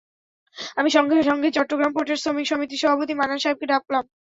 আমি সঙ্গে সঙ্গে চট্টগ্রাম পোর্টের শ্রমিক সমিতির সভাপতি মান্নান সাহেবকে ডাকলাম।